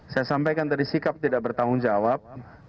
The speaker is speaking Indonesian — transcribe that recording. saya sampaikan tadi sikap tidak bertanggung jawab